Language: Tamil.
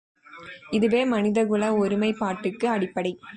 இதுவே மனிதகுல ஒருமைப்பாட்டுக்கு அடிப்படை.